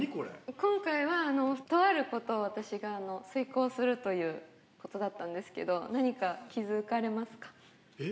今回は、とあることを私が遂行するということだったんですけれども、えっ？